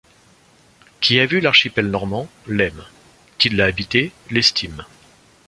Qui a vu l’archipel normand, l’aime ; qui l’a habité, l’estime.